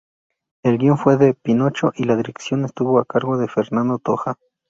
El guion fue de "Pinocho" y la dirección estuvo a cargo de Fernando Toja.